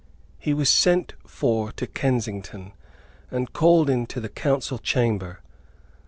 He was sent for to Kensington, and called into the Council Chamber.